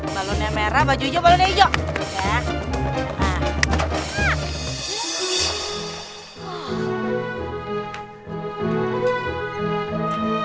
balonnya merah baju hijau balonnya hijau